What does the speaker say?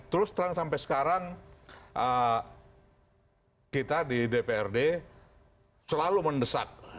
terus terang sampai sekarang kita di dprd selalu mendesak